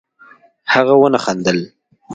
هغه ونه خندل